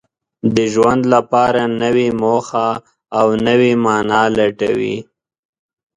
د ژوند لپاره نوې موخه او نوې مانا لټوي.